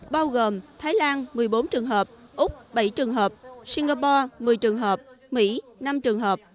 bao gồm thái lan một mươi bốn trường hợp úc bảy trường hợp singapore một mươi trường hợp mỹ năm trường hợp